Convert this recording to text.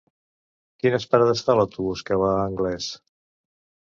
Quines parades fa l'autobús que va a Anglès?